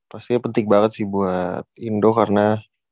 pastinya penting banget sih buat indo karena